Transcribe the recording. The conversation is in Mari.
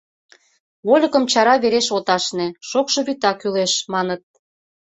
Вольыкым чара вереш от ашне, шокшо вӱта кӱлеш» маныт.